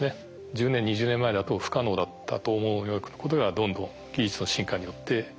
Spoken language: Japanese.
１０年２０年前だと不可能だったと思うようなことがどんどん技術の進化によって実現されていくと。